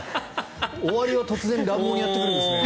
終わりは突然にやってくるんですね。